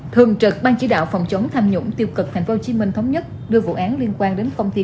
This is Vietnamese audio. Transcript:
thường trực ban chỉ đạo phòng chống tham nhũng tiêu cực tp hcm thống nhất đưa vụ án liên quan đến công ty